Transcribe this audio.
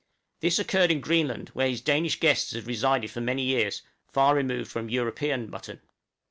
This occurred in Greenland, where his Danish guests had resided for many years, far removed from European mutton.